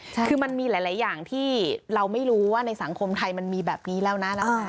คือมันมีหลายอย่างที่เราไม่รู้ว่าในสังคมไทยมันมีแบบนี้แล้วนะ